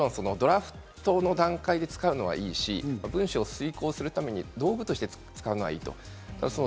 ただ、もちろんドラフトの段階で使うのはいいし、文章を推考するために道具として使うのはいい。